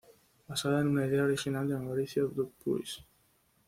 Basada en una idea original de Mauricio Dupuis.